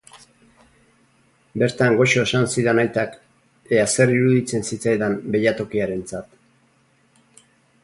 Bertan Goxo esan zidan aitak, ea zer iruditzen zitzaidan beilatokiarentzat...